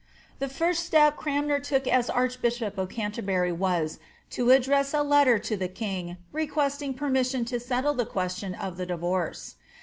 * The first step Cranmer took as archbbhop of Canterbury was, to address a letter to the king, requesting permission to settle the question of the divorce.